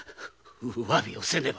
詫びをせねば。